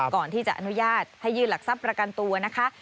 ก่อนที่จะอนุญาตให้ยื่นหลักทรัพย์ประกันตัวนะคะ